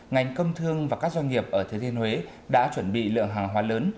ngành công thương và các doanh nghiệp ở thừa thiên huế đã chuẩn bị lượng hàng hóa lớn